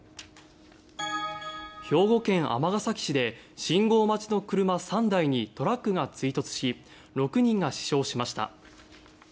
兵庫県尼崎市で信号待ちの車３台にトラックが追突し６人が死傷しました。